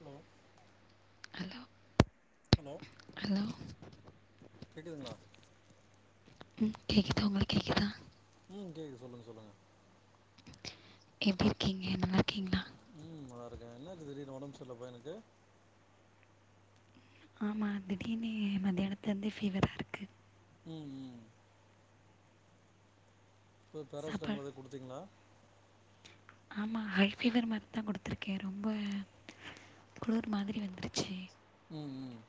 Hello hello hello கேக்குதுங்களா உம் கேக்குது உங்களுக் கேக்குதா ம் கேக்கு சொல்லுங்க சொல்லுங்க எப்டி இருக்கீங்க நல்லா கீங்களா என்னது இது திடீன்னு ஒடம்பு செரியில்ல போல பய்யனுக்கு ஆமா திடீர்னு மத்தியானத்துல இருந்து ஃபீவர் இருக்கு ம் உம் இப்ப சாப்பாடு பேராசிட்டமால் எத குடுத்தீங்களா ஆமா ஹை ஃபீவர் மருந்தா கொடுத்துருக்கே ரொம்ப குளூர் மாதிரி வந்துருச்சி உம் உம்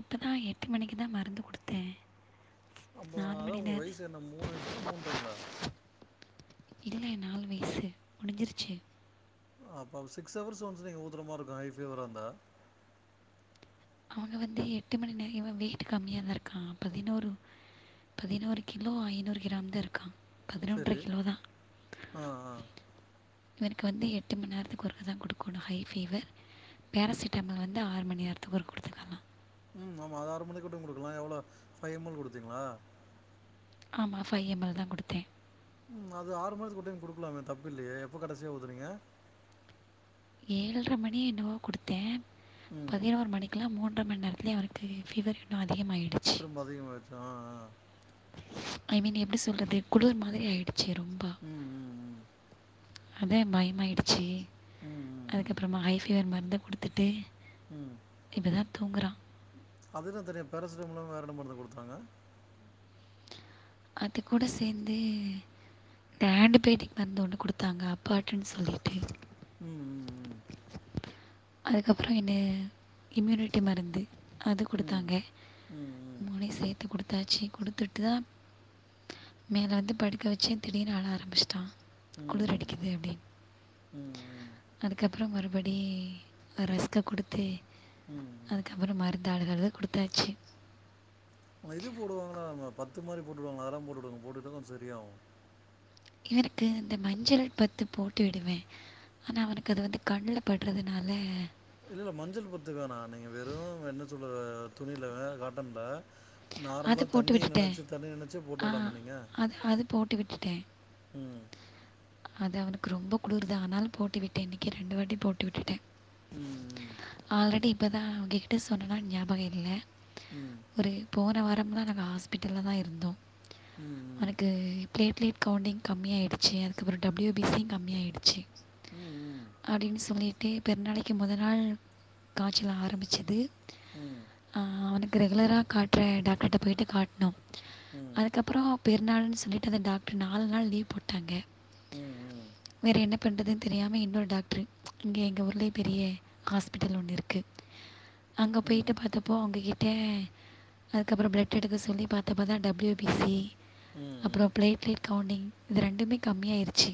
இப்பதா எட்டு மணிக்கு தா மருந்து குடுத்தே அப்போ அத்தா உங்க வயசு என்ன மூணு வயசுங்களா மூன்றைங்களா இல்லே நாலு வயசு முடிஞ்சிருச்சே அப்ப சிக்ஸ் ஹவர்ஸ் ஒன்ஸ் நீங்க ஊத்ரமாரி இருக்கோ ஹை ஃபீவரா இருந்தா அவுங்க வந்து எட்டு மணி நே இவ வெயிட்டு கம்மியாதா இருக்கா பதினோரு பதினோரு கிலோ ஐநூறு கிராம் தா இருக்கா பதினொன்ற சரி கிலோதா ஆ ஆ இவனுக்கு வந்து எட்டு மணி நேரதுக்கு ஒருகா தா குடுக்கோணு ஹை ஃபீவர் பேராசிட்டாமல் வந்து ஆறு மணி நேரத் துக்கொரு குடுத்துகலா உம் ஆமா அது ஆறு மணிக்குட்டு குடுக்கலா எவ்வளோ ஃபை எம்மல் குடுத்தீங்களா ஆமா ஃபை எம்மல் தா குடுத்தே உம் அது ஆறு மாசதுக்கு ஒரு டைம் குடுக்கலாமே தப்பு இல்லையே எப்ப கடசியா ஊத்துனீங்க ஏழ்ர மணி என்னவோ குடுத்தே ம் பதினோரு மணிக்குல மூன் ஒன்ற மணி நேரத்திலயே அவுனுக்கு ஃபீவர் இன்னு அதி திரும்ப அதிக மாயிசா ஆ ஆ ஐ மீன் எப்டி சொல்றது குளூர் மாதிரி ஆயிடு சி ரொம்ப ம் ம் ம் அதே பயமாயிடுச்சி ம் அதுக்கப்பறமா ஹை ஃபீவர் மருந்து குடுத்துட்டு உம் துங்கறா அதுல்லா தெரியு பேராசிட்டமலில்லாம வேற என்ன மருந்து குடுத்தாங்க அது கூட சேந்து இந்த ஆன்ட்டிபயாட்டிக் மருந்து ஒன்னு குடுத்தாங்க அப்பாட்டுன்னு சொல்லிட்டு உம் உம் உம் அதுக்கப்பறோ என்ன இம்யூனிட்டி மருந்து அது ம் குடுத்தாங்க ம் மூனையு சேத்து குடுத் எதாச்சு குடுத்துட்டுதா மேல வந்து படுக்க வச்சே திடீர்னு ஆழ ஆரம்பிச்சிட்டா ம் குளுர் ம் அடிக்கிது அப்டீன் ம் அதுக்கப் றோ மறுபடி அ ரஸ்க்க குடுத்து ம் அதுக்கப்பறோ மருந் நாலு தடவ குடுத்தாச்சு அ இது போடுவாங்கல்ல நம்ம பத்து மாரி போட்டு விடுவாங்கல அதெல்லா போட்டுவிட்ருங்க போட்டு விட்டா தா சரியாகு இவனுக்கு இந்த மஞ்சள் பத்து போட்டு விடுவேன் ஆனா அவனுக்கு அது வந்து கண்ணுல பட்றதுனால இல்ல இல்ல மஞ்சள் பத்து வேணா நீங்க வெறு என்ன சொல்ல துணில காட்டன்ல அது நார்மளா போட்டு தண்ணிய விட்டுட்டேன் நனச்சு தண்ணிய நனச்சு போட்டு ஆ விடாம நீங்க அது அது போட்டு விட்டுட்டேன் உம் அது அவனுக்கு ரொம்ப குளுருது ஆனாலு போட்டு விட்டே இன்னிக்கி ரெண்டு வாட்டி போட்டு விட்டுட்டே ம் ஆல்ரெடி இப்பதா உங்ககிட்ட சொன்னானு ஞாபக இல்ல ம் போன வாரம்லா நாங்க ஹாஸ்பிடல்ல தா இருந்தோ ம் அவனுக்கு இப்லே இப்லே கவ்ண்டிங் கம்மியாயிடுச்சு அதுக்கப்ரோ டபுள்யு பி சியு கம்மியா ச்சு ம் அப்டின்னு சொல்லி டே பெர் நாளைக்கு முதல் நாள் காச்சல் ஆரம்பிச்சுது ம் ஆஹ் அவனுக் ரெகுலரா காட் ர டாக்டர்ட்ட போய்ட்டு காட்னோ ம் அதுக்கப்றோ பெர்நாள் சொல்லிட்டு அந்த டாக்டர் நாலு நாள் லீவ் போட்டாங்க உம் உம் பண்றதுனு தெரியாம இன்னொரு டாக்டரு இங்கே எங்க ஊர்லயே பெரிய ஹாஸ்பிட்டல் ஒன்னு இருக்கு அங்க ம் போய்ட்டு பாத்தப்போ அங்க எ ட்டே அதுக்கப்றோ பிளட் எடுக்க சொல்லி பாத்தப்பதா டபிள்யூ பி சி ம் ம் அப்ரோ பிளே பிளேட் கவுண்டிங் இது ரெண்டுமே கம்மியாயிருச்சு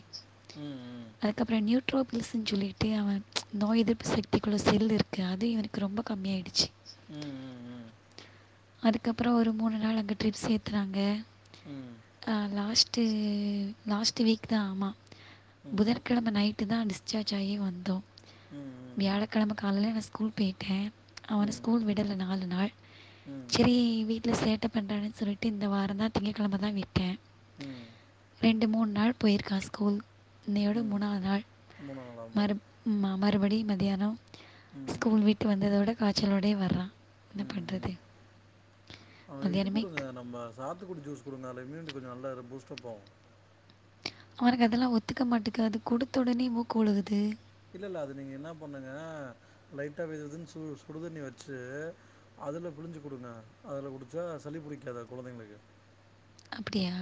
ம் ம் அதுக்கப்ரோ நியூட் ட்ரோபில்ஸ்ன்னு சொல்லிட்டு அவன் ச் நோய் எதிர்ப்புசக்தி குள்ள செல் இருக்கு அது இவனுக்கு ரொம்ப கம்மியாயிடுச்சு உம் உம் உம் அதுக்கப்ரோ ஒரு மூணு நாளு அங்க ட்ரிப்ஸ் ஏத்துனாங்க ம் ம் ஆ லாஸ்ட்டு லாஸ்ட்டு வீக் தா ஆமா ம் புதன்கெழம நைட் ட்டுதா டிஸ்சார்ஜ் ஆயி வந்தோ ம் ம் வியாலக்கலமா காலைல நா ஸ் கூல் போய்ட்டே ம் அவன ம் ஸ்கூல் விடல நாலு நாள் ம் ம் செரி வீட்ல சேட்ட பண்ணுறான்னு சொல்லிட்டு இந்த வாரம் தா திங்கிழம தான் விக்கேன் உம் ரெண்டு மூணு நாள் போயிருக்கா ஸ்கூல் இன்னையோடு ம் முனாவு நாள் மூணு நாளாகுமா மறு மறுபடியும் மதியானம் ம் ஸ்கூல் விட்டு வந்ததோட காய்ச்சலோடே வர்றான் என்ன பண்றது. அவங்க இது கொடுங்க நம்ம சாத்துக்குடி ஜூஸ் கொடுங்க [unintelligible] கொஞ்சம் நல்லா பூஸ்ட்ப்பாவும் அவனுக்கு அதெல்லாம் ஒத்துக்க மாட்டேங்க அது கொடுத்த உடனே மூக்கு கோழுகுது. இல்ல இல்ல அது நீங்க என்ன பண்ணுங்க லைட்டா வெது வெதுன்னு சு சுடுதண்ணி வெச்சு அதுல புழிஞ்சு கொடுங்க அதுல குடிச்சா சளி புடிக்காது குழந்தைங்களுக்கு அப்படியா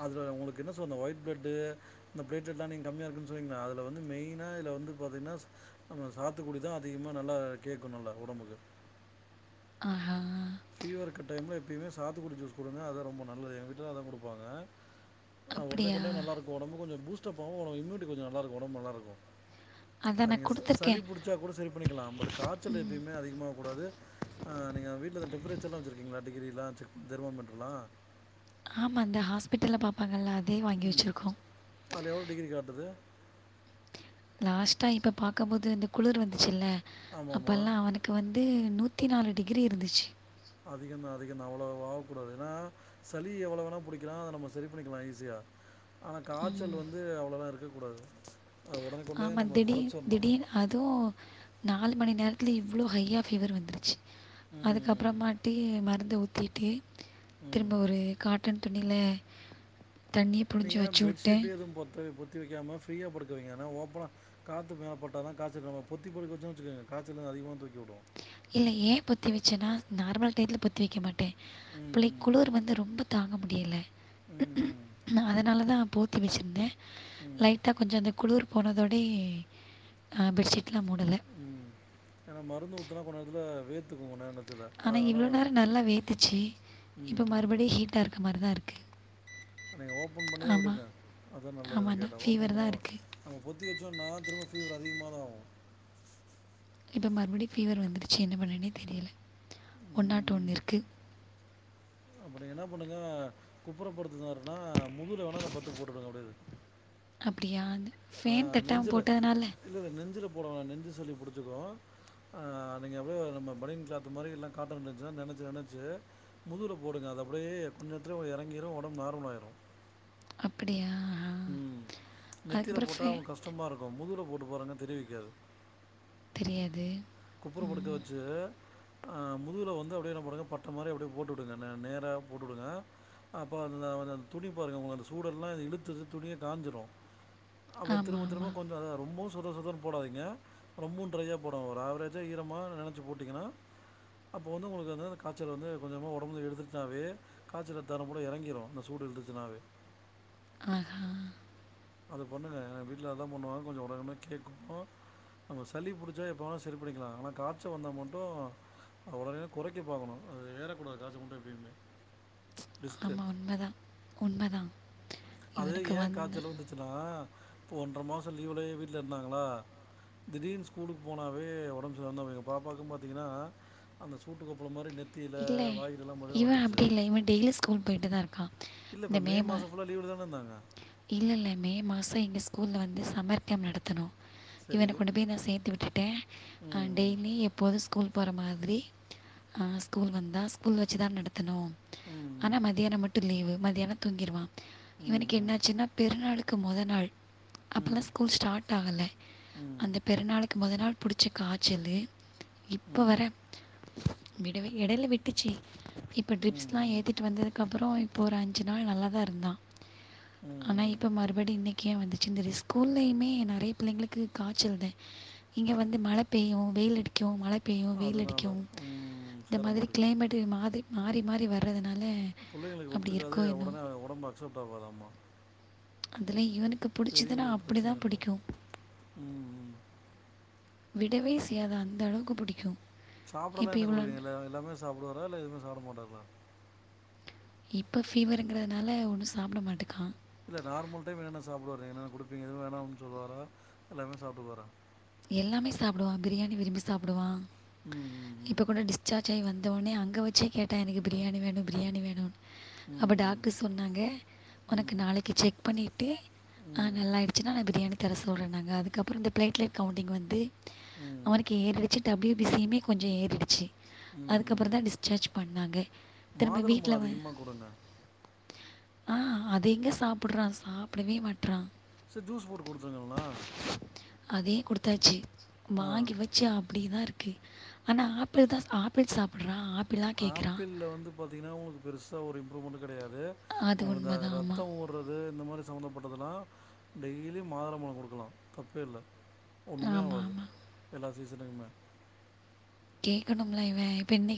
அதுல உங்களுக்கு என்ன சொ ஒயிட் ப்ரெட்டு் இந்த பிளட்லெட்ல்லாம் நீங்க கம்மியா இருக்குன்னு சொன்னீங்களா அதுல வந்து மெய்னா இல வந்து பாத்தீங்கன்னா நம்ம சாத்துக்குடிதான் அதிகமா நல்லா கேட்கும் நல்லா உடம்புக்கு ஆஹா ஃபீவர் இருக்கு டைம்ல எப்பயுமே சாத்துக்குடி ஜூஸ் குடுங்க அதான் ரொம்ப நல்லது எங்க வீட்டுல தான் குடுப்பாங்க. ஆ உடனே அப்படியா கொடா நல்லாருக்கும் உடம்பும் கொஞ்சம் பூஸ் [unintelligible] இம்னுட்டி கொஞ்சம் நல்லாருக்கும் ஒடம்பும் நல்ல இருக்கும். அதான் நான் ங்க சளி கொடுத்துருக்கேன் புடிச்சா கூட சரி பண்ணிக்கலாம். பட் காய்ச்சல் எப்பயுமே அதிகமா கூடாது. ஆஹ் நீங்க வீட்டுல த த் இருக்கீங்களா டிகிரிம் தெர்மாமீட்டர்லாம் ஆமா இந்தந்த ஹாஸ்பிட்டல்ல பாப்பாங்கல்ல உம் அது எவ்ளோ டிகிரி காட்டுது லாஸ்ட்டா இப்ப பாக்கம்போது இந்த குளிர் வந்துச்சுல ஆமாம்மா அப்பல்லாம் அவனுக்கு வந்து நூ நூத்தி நாலு டிகிரி இருந்துச்சு. அதிகம் தான் அதிகம் தான் அவ்வளவு வாவக்கூடாது ஏன்னா சளி எவ்வளவு வேணா பிடிக்கலாம் அதை நம்ம சரி பண்ணிக்கலாம் ஈஸியா ஆனால் காச்சல் வந்து அவ்வளோதான் இருக்கு இருக்க கூடாது. ஆமா திடீ திடீனு அதுவு நாலு மணி நேரத்தில் இவ்ளோ ஹயா ஃபீவர் வந்துருச்சு. ம் அதுக்கப்புறமாட்டி மருந்து இத ஊத்திட்டு ம் திரும்ப ஒரு காட் ட்டந் துணில நீங்க பெட்ஷீட் எதுவு பொத் பொத்தி வெக்காம ஃப்ரீயா படுக்க வைங்க ஏனா ஓப்பனா காத்து பட்டாதா காய்ச்சல் வரு பொத்தி படுக்க வெச்சோ வெச்சுக்குங்க காய்ச்சலு அதிகமா தூக்கி விடு இல்ல ஏ பொத்தி வெச்சேன்னா நார்மல் டையத்துல பொத்தி வெக்க மாட்ட பிள்ளைக்கு ம் குளிர் வந்து ரொம்ப தாங்க முடியல ம் ஹுக்கு அதனாலதா போத்தி வெச்சுருந்தே ம் லைட்டா கொஞ்சோ அந்த குளிர் போனதோடே அ பெட்ஷீட் உம் ஏனா மருந்து ஊத்தனா கூட இதுல வேத்துக்கு உடனே அந்த ஆனா இவ்ளோ நேரோ நல்லா வேத்துச்சு இப்போ ம் ம் மறுபடி ஹீட்டா இருக்க மாரிதா இருக்கு நீங்க ஓப்பன் பண்ணியே விடுங்க ஆமாம் அதா நல்லது என்ன ஆமாண்ணா கேட்டா ஓப்பன் ஃபீவர் தான் பண்ணாம இருக்குது நம்ம பொ தந்தி வெச்சோனா திரும்ப ஃபீவர் அதிகமாதா வரு இப்போ மறுபடியு ஃபீவர் வந்துருச்சு என்ன பண்ணனே தெரியல ஒன்னாட்டு ஒண்ணிற்கு அப்படி என்ன பண்ணுங்க குப்புரப்படுத்துருந்தார்னா முதுகுல வேணா அந்த பத்து போட்டு விடுங்க அப்படியே அப்படியா அந்த ஃபேன் தட்டாம போட்டதுனால இல்ல இல்ல நெஞ்சில போட நெஞ்சு சளி புடுச்சுக்கு ஆ நீங்க அப்படியே நம்ம பனியன் கிளாத்து மாரி இல்ல காட்டன் கிளாத்ல நெனச்சு நெனச்சு முதுகுல போடுங்க அது அப்படியே கொஞ்சோ நேரத்தில ஒரு இறங்கிடும் உடம்பு நார்மல் ஆயிரு அப்படியா ஆ. உம் நெத்தில அதுக்கப்புறம் போட்டா ஃபேன் அவங்ளுக்கு கஷ்டமா இருக்கு முதுகுல போட்டு போறங்க தெரிவிக்காது தெரியாது குப்புர படுக்க ம், வெச்சு அ முதுகுல வந்து அப்படியே என்ன பண்ணுங்க பட்டை மாரி அப்படியே போட்டு விடுங்க நேரா போட்டு விடுங்க அப்போ அந் அந்த துணி பாருங்க உங்களுக்கு அந்த சூடெல்லா இழுத்து இழுத்து துணியே காஞ்சிறு அப்புறோ திரும்ப ஆமாம் திரும்ப ஆமாம் கொஞ்சோ அதா ரொம்பவு சொத சொதனு போடாதீங்க ரொம்போ ட்ரையா போடாவ ஒரு ஆவரேஜ் கொஞ்சம் ஈரமா நினைச்சி போட்டிங்கன்னா அப்போ வந்து உங்களுக்கு வந்துந்த காய்ச்சல் வந்து கொஞ்சமா உடம்பு எழுத்துச்சுனாவே காய்சல்லை தரம் கூட இறங்கிடும் அந்த சூடு எழுத்துச்சுனாவே அதா அது பண்ணுங்க ஏ வீட்டில் அததான் பண்ணுவாங்க கொஞ்சம் உடனனே கேக்கு நம்ம சளி புடிச்சா எப்போ வேணும் சரி பிடிக்கலாம் ஆனா காச்ச வந்தா மட்டும் உடனேனே குறைக்க பாக்கணும் அது ஏரக்கூடாது காய்ச்ச மட்டும் எப்பையுமே ஆமா உண்மதா உண்மதா அது ஏன் காய்ச்சல் வந்துச்சுன்னா இப்ப ஒன்றரை மாசம் லீவ்லயே வீட்ல இருந்தாங்கள திடீர்னு ஸ்கூலுக்கு போனவே உடம்பு சரியில்லாமதா போயிரும் எங்க பாப்பாக்கும் பாத்தீங்கன்னா அந்த சூட்டு கொப்பளம் மாரி நெ இல்லை இவன் அப்டி இல்லை இவன் டெய்லி ஸ்கூல் போயிட்டு தான் இருக்கான் இல்ல இந்த இப்ப மே மா மாசம் ஃபுல்லா லீவ்ல தான இருந்தாங்க. இல்ல இல்ல மே மாசம் இங்க கூல்ல வந்து சம்மர் கேம்ப் நடத்தணும் சரி. இவன கொண்டு போய் நான் சேர்த்து விட்டுட்டேன் அ ம், ம். டெய்லி எப்போதும் ஸ்கூல் போற மாதிரி அஹ் ஸ்கூல் வந்தா ஸ்கூல் வச்சு தான் நட த்தனும் ம், ஆனா ம். மதியானம் மட்டும் லீவு மதியானம் தூங்கிறுவான் ம், இவனுக்கு ம். என்னாச்சின்னா பெருநாளு க்கு மொதல் நாள் ம், அப்பல்லாம் ஸ்கூல் ஸ்டார்ட் ஆகல ம். ம், அந்த பெருநாளை க்கு மொதல் நாள் பிடிச்ச காய்ச்சல் இப்ப ம். வர வி டவே இடைல விட்டுச்சு இப்போ ம், ட்ரிப்ஸ்லாம் ம். ஏத்திட்டு வந்ததுக்கப்புறம் இப்போ ஒரு அஞ்சு நாள் நல்லா தான் இருந்தான் ஆனா ம். இப்ப மறுபடி இன்னை க்கு வந்துச்சு தெரி ஸ்கூல்லயுமே நறைய பிள்ளைங்களுக்கு காய்ச்சல் தன் இங்க வந்து மழை பெய்யும் வெயில் அடிக்கும் மழை பெய்யும் வெயில் அதனால அடிக்கும் உம் இந்த மாதிரி கிளைமேட் மா றி மாறி மாறி வர்றது பிள்ளைங்களுக்கு ஒத்துக்காது உடனே உடம்பு அக்செப்ட் ஆகாத அம்மா அதுல இவன் பெரியவங்களுக்கு பிரச்சனை இல்ல உம் உம் விடவே செய்யாத அந்த அளவுக்கு பிடிக்கும் சாப்டலாம் இப்போ என்ன இவ்வளோ கொடுக்கிரீங்க ல்ல எல்லாமே சாப்டுவாரா இல்ல எதுவுமே சாப்ப மாட்டார்களா இப்ப ஃபீவர்ருங்கிறதுனால ஒண்ணும் சாப்ட மாட்டுக்கான் இல்ல நார்மல் டைம் என்னென்ன சாப்பிடுவாீங்க என்னென்ன குடுப்பீங்க எதுவும் வேணும்னு சொல்லுவாரா எல்லாமே சாப்பிட்டுக்குவாரா எல்லாமே சாப்பிடுவான் பிரியாணி விரும்பி சாப்பிடுவான் ம், இப்ப ம், கூட டிஸ்சார்ஜ் ஆயி வந் வந்த உடனேங்கே வச்சே கேட்டான் எனக்கு பிரியாணி வேணும் பிரியாணி வேணும் அப்ப ம். டாக்டர் சொன்னாங்க ம், உனக்கு ம். நாளைக்கு செக் பண்ணிட்டு் ஆ ம், நல்லாயிடுச்சுன்னா நான் பிரியாணி தர சொல்றேனாங்க அதுக்கப்புற இந்த பிளட்லட் கவுண்டிங் வந்து ம். அவனுக்கு ஏரிடிச்சு டபுள்யு பி சி யுமே கொஞ்சோ ஏறிடுச்சு அதுக்கப்புறோ தான் டிஸார்ஜ் பண் ன்னாங்க மாதுளபழம் அதிகமா கொடுங்க ஆஹ் அத எங்க சாப்பிடுறான் சாப்பிடவே மாட்டறா செரி ஜூஸ் போட்டு குடுத்துருங்க இல்லனா அதே குடுத்தாச்சு வாங்கி வச்சு அப்படிதான் இருக் ப்பிடி ஆனா ஆப்பிள் தான் ஆப்பிள் சாப்பிடுறான் ஆப் ஆப்பிள வந்து பாத்தீங்கன்னா உங்களுக்கு பெருசு சா ஒரு இம்ப்ரூவ்மெண்ட் கிடையாது து அது உங்களுக்கு அந்த உண்மை தான் ஆமாம் ரத்தம் ஊருறது இந்த மாரி சம்மந்தப்பட்டதெல்லா டெய்லி மாதள பழம் கொடுக்கலா தப்பே இல்ல ஒண்ணுமே ஆமாம் ஆவாது ஆமாம் எல்லா [unintelligible] கேக்கணும்ல இவ இப்ப இன்னை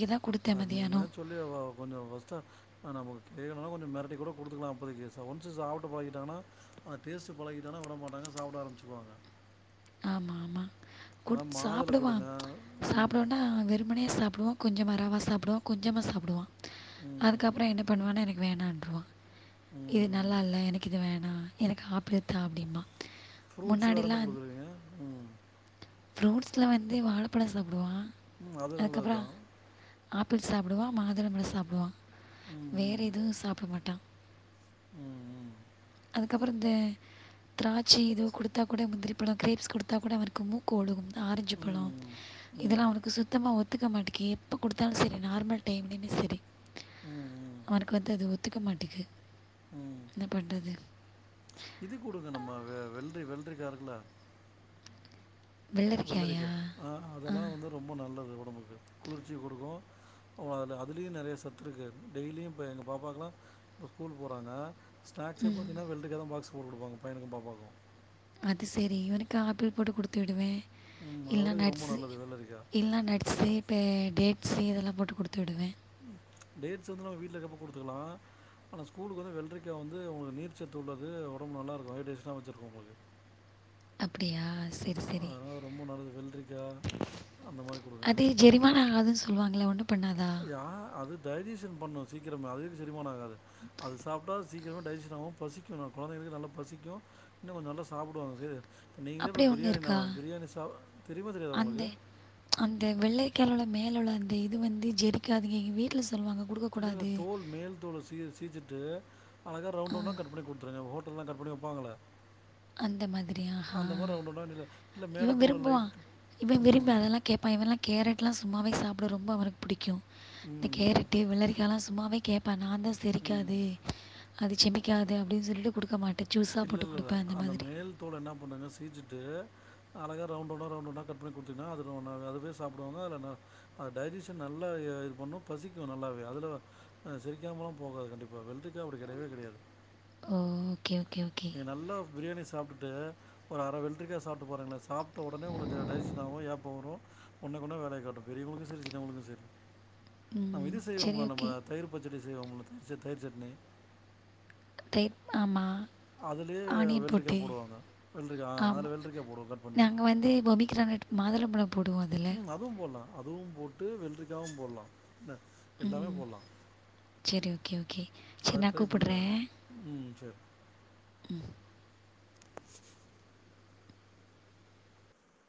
அ நீங்க தான் சொல்லி வா கொஞ்சோ ஃபர்ஸ்ட்டா நமக்கு கேணுனா கொஞ்சோ மிரட்டி குடுத்துக்கலா அப்போதைக்கு ஒன்ஸ்ஸு சப்பிட்டு பழகிட்டானா அந்த டேஸ்ட்டு பழகிட்டானா விட மாட்டாங்க சாப்பிட ஆரமிச்சுருவாங்க ஆமா ஆமா குடுத் மாதுளை சாப்பிடுவா குடுங்க ம் சாப்டோனா விருப் அவனே சாப்பிடுவான் கொஞ்சமா ரவா சாப்பிடுவான் கொஞ்சமா சாப்பிடுவான் ம் ம் அதுக்கப்புறோ என்ன பண்ணுவானா எனக் வேணான்டுரூவா இது ம் ம் நல்லா இல்ல எனக்கு இது வேண னா எனக்கு ஆப்பிள்தா அப்படிமா ஃப்ரூட்ஸ் வேற என்ன கொடுக்குருறீங்க ஃப்ரூட்ஸ்ல வந்து வாழப்பழம் சாப்பிடுவான் ம் அது நல்லதுதா அதுக்கப்புறம் ஆப்பிள் சாப்படுவா மாதுளம்பழோ சாப்டுவா வேற ம் எதுவூ சாப்ட மாட்டா ம் ம் அதுக்கப்றோ இந்த திராட்சை ஏதோ குடுத்தா கூட முந்திரி பழோ க்ரேப்ஸ் குடுத்தா கூட அவருக்கு மூக்கு ஒழுகூ ஆரஞ்சு ம் பழோ ம் ம் இதெல்லா அவனுக்கு சுத்தமா ஒத் த்துக்க மாட்டிக்கி எப்போ கெடுத்தாலூ செரி நார்மல் டைம்லயுமே செரி ம் ம் ம் அவனுக்கு வந்து அது ஒ துக்க மாட்டேக்கு ம் என்ன பண்றது இது குடுங்க நம்ம வெ வெள்ரி வெள்ரிக்காருக்குல வெள்ளரிக்கா வெள்ளரிக்காயா ஆ அதெல்லா ஆ வந்து ரொம்ப நல்லது ஒ டம்புக்கு குளிர்ச்சி குடுக்கூ அவ் அதுல்யே நெறைய சத்துருக்கு டெய்லியூ இப்ப எங்க பாப்பாக்லா இப்போ ஸ்கூல் போறாங்க ஸ்நாக்ஸே பாத்திங்னா வெள்ரிக்கா தா பாக்ஸ் போட்டு குடுப்பாங்க பையனுக்கூ பாப்பாக்கூ அது செரி இவனுக்கு ஆப்பிள் போட்டு குடுத்து விடுவே ம் இல்ல அதோட இது ரொம்ப நட்ஸு நல்லது வெள்ளரிக்காய் இல்லனா நட்ஸு ப்ப டேட் சி அதெல்லா போட்டு குடுத்து விடுவே ம் டேட்ஸ் வந்து நம் வீட்ல இருக்கப்போ குடுத்துக்கலா ஆனா ஸ்கூலுக்கு வந்து வெள்ரிக்கா வந்து உங்களுக்கு நீர் சத்து உள்ளது ஒடம்பு நல்லா இருக்கூ ஹைட்ரேஷனா வச்சுருக்கூ உங்களுக்கு அப்டியா செரி செரி அதனால் ரொம்ப நல்லது வெள்ளரிக்காய் அந்த மாதிரி கொடுங்க அது ஜெரிமானோ ஆகுதுன்னு சொல்லுவாங்களே ஒன் யா அது டைஜெஷன் பண்ணூ சீக்கிரமா அதுதெக்கு செரிமான ஆகாது அது சாப்ட்டா சீக்கிரமா டைஜெஷனாகு பசிக்கூ நம் கொழந்தைங்களுக்கு நல்ல பசிக்கூ இன்னூ கொஞ்சோ நல்ல சாப்டுவாங்க செ நீங்களே இப்போ அப்படியே ஒன்று பிரியாணி இருக்கா நம பிரியாணி சா தெரியுமா தெரியாதா உங்களுக்கு மேலுள்ள அந்த இது வந்து ஜெரிக்காதுங்க எங்க வீட்ல இல்லல்ல தோல் மேல் தோல சீ சீச்சுட்டு அழகா ரவுண்ட் ரவுண்டா கட் பண்ணி குடுத்துருங்க ஹோட் ல்லா கட் பண்ணி வெப்பாங்களே அந்த மாத்ரியா ஹா ரவுண்ட் ரவுண்டா இல்ல இல்ல இவ மேல தோல விரும்புவா லைட் இவ விரும்பி ம். அதல்லா கேப்பா இவல்லா கேரட் லா சும்மாவே சாப்ட ரொம்ப அவனுக்கு புடிக்கூ இந்த ம். ம். கேரட்டு வெள்ளரிக்காலா ஸ் மாவே கேப்பான் நாந்தா ம். செரிக்காது அது செமிக்காது அப்டின்னு சொல்லிட்டு குடுக்க மாட் ட்டு ஜூஸா இல்ல போட்டு இல்ல கொடு இல்ல. அந்த மேல் தோள என்ன பண்ணுங்க சீச்சுட்டு அழகா ரவுண்ட் ரவுண்டா ரவுண்ட் ரவுண்டா கட் பண்ணிகுடுத்தீங்ன்னா அதுவே சாப்டுவாங்க டைஜசன் நல்லா இது பண்ணு பசிக்கு நல்லாவே அது ஆஹ் செரிக்காமலா போகாது கண்டிப்பாக வெள்ரிக்கா அப்டி கெடையவே கெடையாது ஓ ஓகே, ஓகே, ஓகே. நீ நல்லா பிரியாணி சாப்ட்டுட்டு ஒரு அரை வெள்ரிக்கா சாப்ட்டு பாருங்களன் சாப்ட்ட உடனே உங்களுக்கு டைஜஸன் ஆகு ஏப்ப வரு ஒடனக்குடனே வேலைய காட்டு பெரியவங்களுக்கு செரி சின்னவங்களுக்கு செரி நம்ம ம். இது சரி செய்வோம்லா நம்ம ஓகே. தயி்ர் பச்சடி இது ஒங்களுக்கு புச்ச தயிர் சட்னி தயிர் ஆம்மா அதுலே வெள்ரிக்கா போடுவாங்க வெள்ரிக்கா ஆ ஆமா. அதுல வெள்ரிக்கா போடுவோ கட் பண்ணி நாங்க வந்து பொமிகிரானட் மாதுளம்பழம் போடுவோம் அதில. உம் அதுவு போலா அதுவு போட்டு வெள்ரிக்காவு போட்லா இல்ல எல்லாமே போட்லா சரி ஓகே, ஓகே. சரி அது நான் ட்ரை பண்ணுங்க ம் சரி ம்